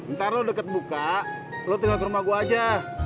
ntar lu deket buka lu tinggal ke rumah gua aja